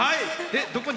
どこに？